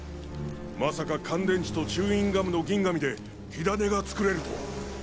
まさか乾電池とチューインガムの銀紙で火種が作れるとは。